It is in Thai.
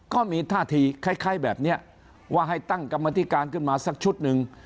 ก็มีท่าทีคล้ายแบบนี้ว่าให้ตั้งกรรมธิการขึ้นมาสักชุดหนึ่ง